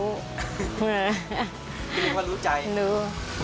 รู้ว่ารู้ใจรู้